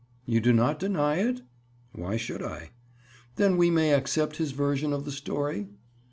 "You do not deny it?" "Why should I?" "Then we may accept his version of the story?"